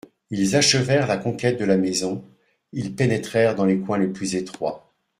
Ils achevèrent la conquête de la maison, ils pénétrèrent dans les coins les plus étroits.